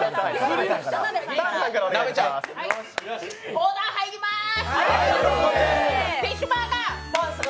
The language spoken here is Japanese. オーダー入ります。